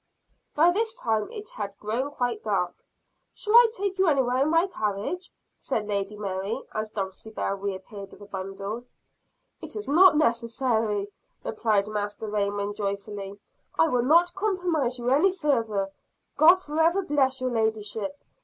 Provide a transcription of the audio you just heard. By this time it had grown quite dark. "Shall I take you anywhere in my carriage?" said Lady Mary, as Dulcibel reappeared with a bundle. "It is not necessary," replied Master Raymond joyfully, "I will not compromise you any further. God forever bless your ladyship!